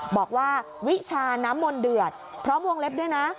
บอกว่าวิชาน้ำมนต์เดือดพร้อมวงเล็บด้วยนะ